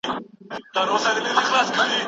نظر ته وتخنیږي،